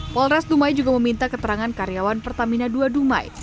polres dumai juga meminta keterangan karyawan pertamina ii dumai